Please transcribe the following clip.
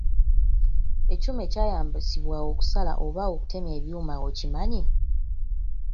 Ekyuma ekyayambisibwa okusala oba okutema ebyuma okimanyi?